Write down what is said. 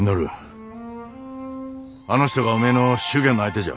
あの人がおめえの祝言の相手じゃ。